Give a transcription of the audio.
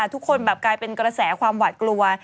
ทุกคนแบบกลายเป็นกระแสความหวาดกลัว